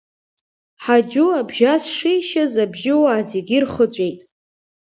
Ҳаџьу абжьас шишьыз абжьуаа зегьы ирхыҵәеит.